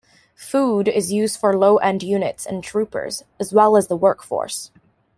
Food is used for low-end units and troopers, as well as the work force.